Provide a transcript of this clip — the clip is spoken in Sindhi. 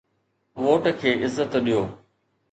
ووٽ کي عزت ڏيو.